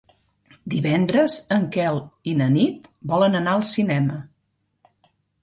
Divendres en Quel i na Nit volen anar al cinema.